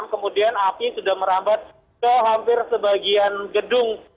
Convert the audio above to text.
kemudian api sudah merambat ke hampir sebagian gedung